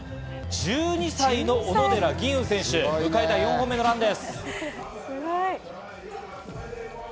１２歳の小野寺吟雲選手、迎えた４本目のランです。